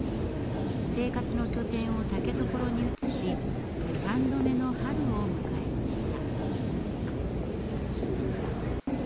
生活の拠点を竹所に移し３度目の春を迎えました。